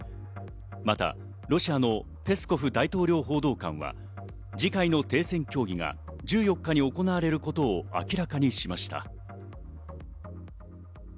またロシアのペスコフ大統領報道官は次回の停戦協議が１４日に行われることを明らかにしました。